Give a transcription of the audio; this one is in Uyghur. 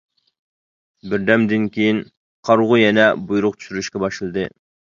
بىردەمدىن كېيىن قارىغۇ يەنە بۇيرۇق چۈشۈرۈشكە باشلىدى.